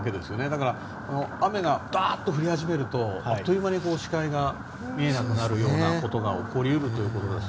だから雨がダーッと降り始めるとあっという間に視界が見えなくなるようなことが起こり得るということです。